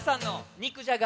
肉じゃが。